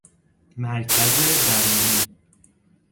مرکز درونی